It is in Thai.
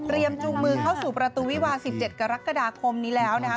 จูงมือเข้าสู่ประตูวิวา๑๗กรกฎาคมนี้แล้วนะคะ